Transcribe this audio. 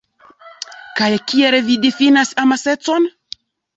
Kaj kiel vi difinas amasecon?